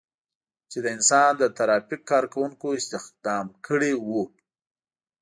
چې د انسان د ترافیک کار کوونکو استخدام کړي وو.